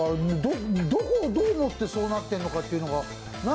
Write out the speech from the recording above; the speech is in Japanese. どこをどう見てそう思ってるのかっていうのが。